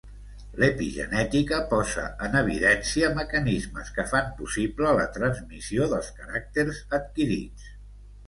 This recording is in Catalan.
L'epigenètica posa en evidència mecanismes que fan possible la transmissió dels caràcters adquirits.